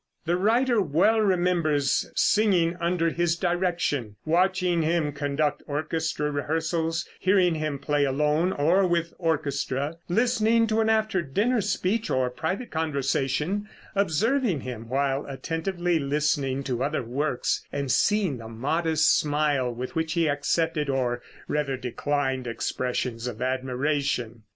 The writer well remembers singing under his direction, watching him conduct orchestra rehearsals, hearing him play alone or with orchestra, listening to an after dinner speech or private conversation, observing him when attentively listening to other works, and seeing the modest smile with which he accepted, or rather declined, expressions of admiration."